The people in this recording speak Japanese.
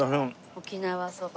沖縄そば。